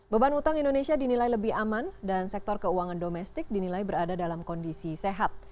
beban utang indonesia dinilai lebih aman dan sektor keuangan domestik dinilai berada dalam kondisi sehat